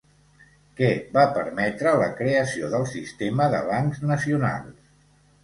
Què va permetre la creació del sistema de bancs nacionals?